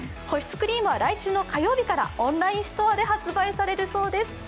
保湿クリームは来週の火曜日からオンラインストアで発売されるそうです。